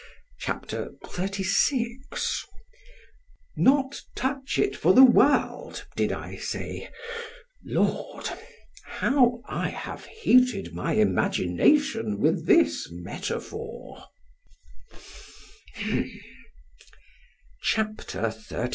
C H A P. XXXVI ——"Not touch it for the world," did I say—— Lord, how I have heated my imagination with this metaphor!